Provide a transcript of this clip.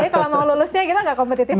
kalau mau lulusnya kita nggak kompetitif